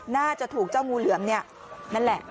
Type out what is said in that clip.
น่าจะถูกเจ้างูเหลือมเนี่ยนั่นแหละ